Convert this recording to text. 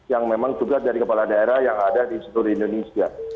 yang memang tugas dari kepala daerah yang ada di seluruh indonesia